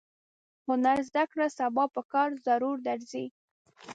هنر زده کړه سبا پکار ضرور درځي.